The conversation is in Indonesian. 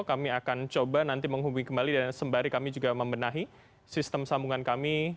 kami akan coba nanti menghubungi kembali dan sembari kami juga membenahi sistem sambungan kami